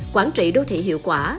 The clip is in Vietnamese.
quản trị đô thị hiệu quả